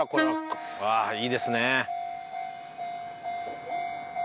うわあいいですね。